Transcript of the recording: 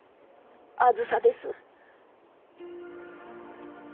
あづさです。